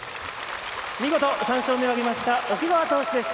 見事３勝目を挙げました奥川投手でした。